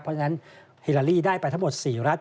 เพราะฉะนั้นฮิลาลีได้ไปทั้งหมด๔รัฐ